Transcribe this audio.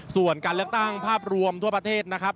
ส่วนการเลือกตั้งภาพรวมทั่วประเทศนะครับ